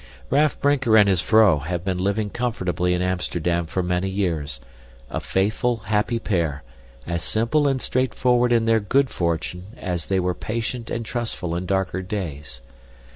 Raff Brinker and his vrouw have been living comfortably in Amsterdam for many years a faithful, happy pair, as simple and straightforward in their good fortune as they were patient and trustful in darker days.